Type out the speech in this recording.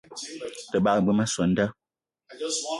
Te bagbe ma soo an da